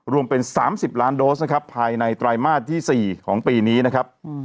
รวมเป็น๓๐ล้านโดสนะครับภายในไตรมาสที่๔ของปีนี้นะครับ